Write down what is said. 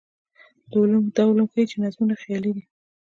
دا علوم ښيي چې نظمونه خیالي دي.